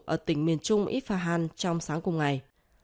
ở tỉnh miền trung ifahan trong sáng cùng ngày